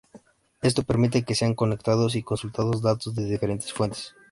Esto permite que sean conectados y consultados datos de diferentes fuentes.